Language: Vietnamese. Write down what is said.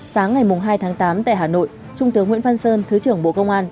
sáng ngày hai tháng tám tại hà nội trung tướng nguyễn văn sơn thứ trưởng bộ công an